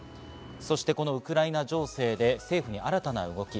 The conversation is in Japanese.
そしてこのウクライナ情勢で政府に新たな動き。